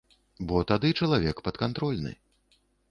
Бо тады чалавек падкантрольны.